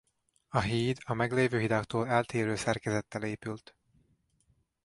A híd a meglévő hidaktól eltérő szerkezettel épült.